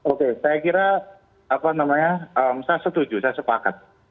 oke saya kira apa namanya saya setuju saya sepakat